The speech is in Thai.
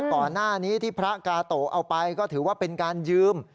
ก่อนหน้านี้ที่พระกาโตเอาไปก็ถือว่าเป็นการยืม